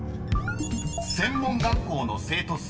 ［専門学校の生徒数